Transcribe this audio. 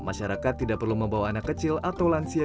masyarakat tidak perlu membawa anak kecil atau lansia